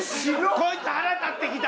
こいつ腹立ってきた！